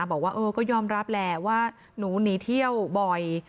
บอกว่าเออก็ยอมรับแหละว่าหนูหนีเที่ยวบ่อย